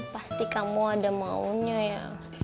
pasti kamu ada maunya ya